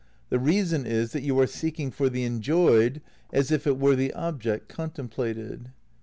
... the reason is that you are seeking for the enjoyed as if it were the object contemplated."